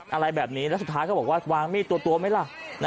อะไรแบบนี้แล้วสุดท้ายเขาบอกว่าวางมีดตัวไหมล่ะ